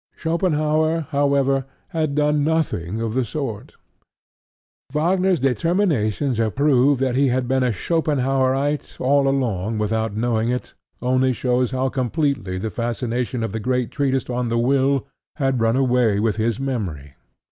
Schopenhaur, however, had done nothing of the sort. Wagner's determination to prove that he had been a Schopenhaurite all along without knowing it only shows how completely the fascination of the great treatise on The Will had run away with his memory.